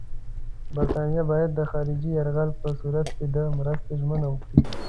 برټانیه باید د خارجي یرغل په صورت کې د مرستې ژمنه وکړي.